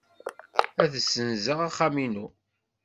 Ad ssenzeɣ axxam-inu.